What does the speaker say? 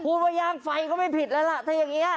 พูดว่าย่างไฟก็ไม่ผิดแล้วล่ะถ้าอย่างนี้